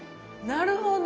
なるほど！